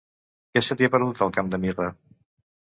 Què se t'hi ha perdut, al Camp de Mirra?